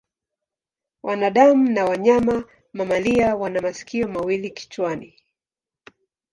Wanadamu na wanyama mamalia wana masikio mawili kichwani.